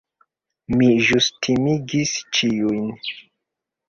Mi ĵus timigis ĉiujn.